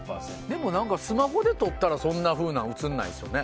でも、スマホで撮ったらそんなふうなの写らないですよね。